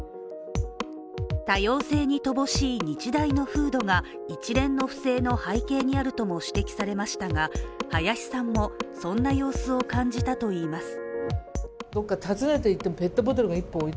多様性に乏しい日大の風土が一連の不正の背景にあるとも指摘されましたが林さんもそんな様子を感じたといいます。